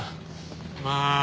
ああ。